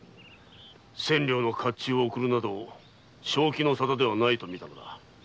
千両の甲冑を贈るなど正気の沙汰ではないとみたのだ。